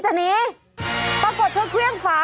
ปรากฏว่ากลัวเครื่องฝา